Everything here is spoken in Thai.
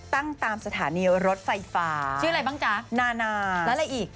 ตามสถานีรถไฟฟ้าชื่ออะไรบ้างจ๊ะนานาแล้วอะไรอีก